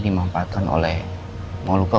dimanfaatkan oleh muluka